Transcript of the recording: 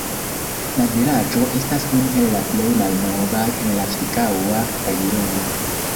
La vilaĝo estas unu el la plej malnovaj en la ĉirkaŭa regiono.